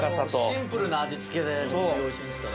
シンプルな味付けでこんなにおいしいんですから。